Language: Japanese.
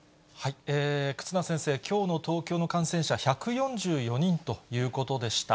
忽那先生、きょうの東京の感染者１４４人ということでした。